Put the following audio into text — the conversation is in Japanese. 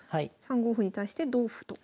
３五歩に対して同歩と。